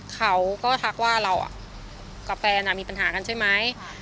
ทักว่าเรากับแฟนมีปัญหากันใช่ไหม